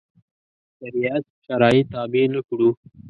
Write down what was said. شریعت شرایط تابع نه کړو.